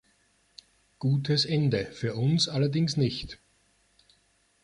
Gutes Ende für uns allerdings nicht.